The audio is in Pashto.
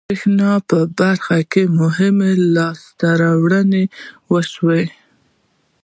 د بریښنا په برخه کې مهمې لاسته راوړنې وشوې.